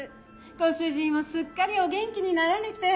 ご主人もすっかりお元気になられて。